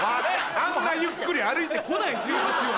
あんなゆっくり歩いてこない１８は。